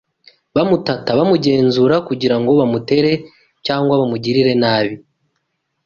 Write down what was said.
Bamutata: bamugenzura kugira ngo bamutere cyangwa bamugirire nabi